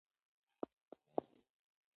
که خویندې مدافع وکیلې وي نو بې ګناه به نه بندیږي.